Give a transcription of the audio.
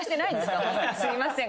すみません。